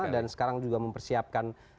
dan sekarang juga mempersiapkan